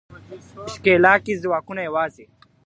ښکېلاکي ځواکونه یوازې